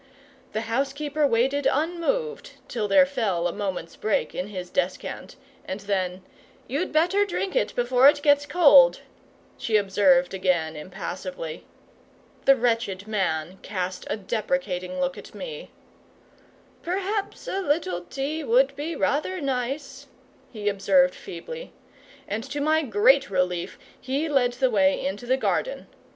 The housekeeper waited unmoved till there fell a moment's break in his descant; and then, "You'd better drink it before it gets cold," she observed again, impassively. The wretched man cast a deprecating look at me. "Perhaps a little tea would be rather nice," he observed, feebly; and to my great relief he led the way into the garden.